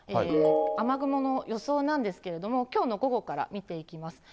雨雲の予想なんですけれども、きょうの午後から見ていきます。